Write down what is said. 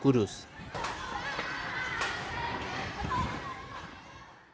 kudus jawa tengah